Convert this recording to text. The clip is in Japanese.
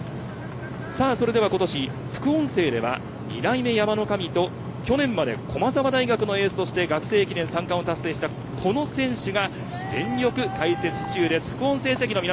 それでは今年、副音声では２代目山の神と去年まで駒澤大学のエースとして学生駅伝三冠を達成したこの選手が全力解説中です。